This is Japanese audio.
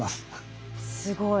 すごい。